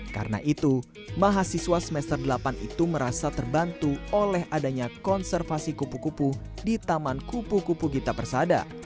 karena itu mahasiswa semester delapan itu merasa terbantu oleh adanya konservasi kupu kupu di taman kupu kupu gita bersada